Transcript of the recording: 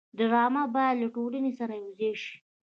ډرامه باید له ټولنې سره یوځای شي